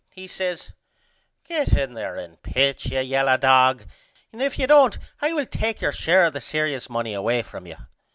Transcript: He says Get in there and pitch you yellow dog and if you don't I will take your share of the serious money away from you.